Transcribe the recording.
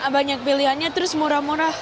banyak pilihannya terus murah murah